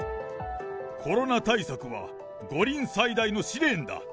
コロナ対策は、五輪最大の試練だ。